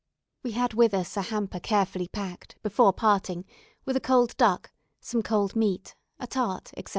We had with us a hamper carefully packed, before parting, with a cold duck, some cold meat, a tart, etc.